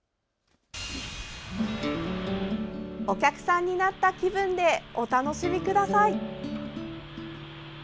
お客さんになった気分でお楽しみください。